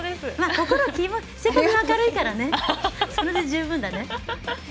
性格が明るいからそれで十分だね。